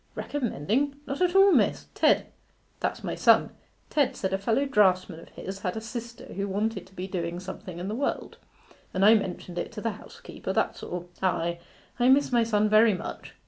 'Recommending? Not at all, miss. Ted that's my son Ted said a fellow draughtsman of his had a sister who wanted to be doing something in the world, and I mentioned it to the housekeeper, that's all. Ay, I miss my son very much.